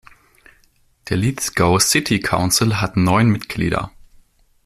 Der Lithgow City Council hat neun Mitglieder.